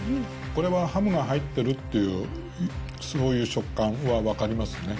これはハムが入ってるっていう、そういう食感は分かりますね。